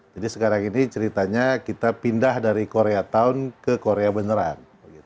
jadi sekarang ini ceritanya kita pindah dari koreatown ke korea beneran